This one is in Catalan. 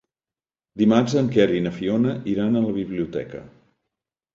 Dimarts en Quer i na Fiona iran a la biblioteca.